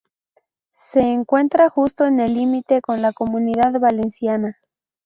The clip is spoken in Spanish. Se encuentra justo en el límite con la comunidad valenciana.